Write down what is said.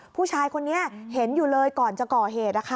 ผู้ชายคนนี้เห็นอยู่เลยก่อนจะก่อเหตุ